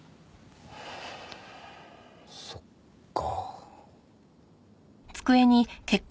そっか。